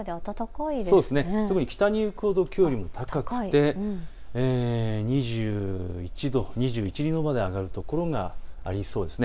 特に北に行くほど気温が高くて２１度、２２度まで上がる所がありそうです。